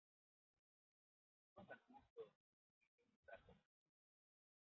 Son arbustos y pequeños árboles.